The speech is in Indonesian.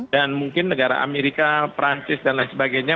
dan mungkin negara amerika prancis dan lain sebagainya